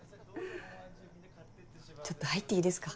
ちょっと入っていいですか？